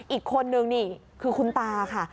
อีกคนนึงนี่คือคุณตาค่ะ